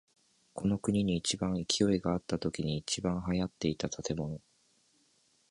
この国に一番勢いがあったときに一番流行っていた建物。